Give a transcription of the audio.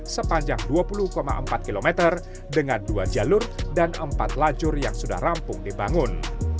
sepanjang dua puluh empat km dengan dua jalur dan empat lajur yang sudah rampung dibangun